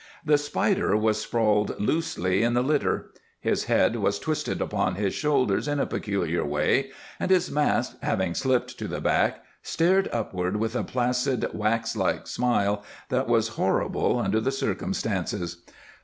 The Spider was sprawled loosely in the litter. His head was twisted upon his shoulders in a peculiar way, and his mask, having slipped to the back, stared upward with a placid, waxlike smile that was horrible under the circumstances.